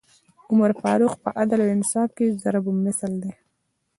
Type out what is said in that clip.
عمر فاروق په عدل او انصاف کي ضَرب مثل دی